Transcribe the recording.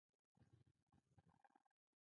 مونټریال د ګیمونو لپاره مشهور دی.